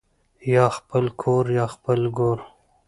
ـ يا خپل کور يا خپل ګور.